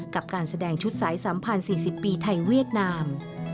กับการแสดงชุดสาย๓๐๔๐ปีไทยเวียดนาม